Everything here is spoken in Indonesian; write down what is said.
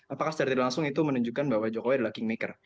apakah secara tidak langsung itu menunjukkan bahwa jokowi adalah kingmaker